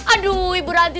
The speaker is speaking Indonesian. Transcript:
aduh bu ranti